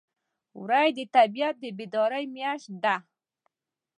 وری د طبیعت د بیدارۍ میاشت ده.